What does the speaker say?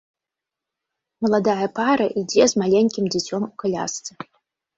Маладая пара ідзе з маленькім дзіцём у калясцы.